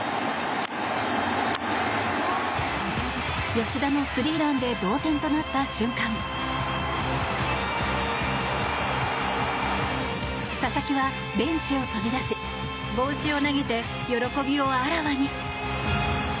吉田のスリーランで同点となった瞬間佐々木はベンチを飛び出し帽子を投げて喜びをあらわに。